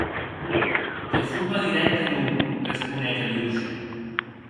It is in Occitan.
De forma dirècta, non, responec Aliosha.